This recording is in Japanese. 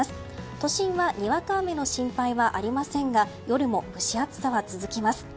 都心はにわか雨の心配はありませんが夜も蒸し暑さは続きます。